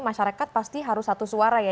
masyarakat pasti harus satu suara ya